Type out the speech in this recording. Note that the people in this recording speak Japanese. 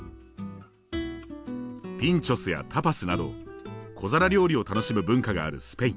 ピンチョスやタパスなど小皿料理を楽しむ文化があるスペイン。